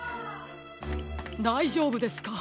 だいじょうぶですか？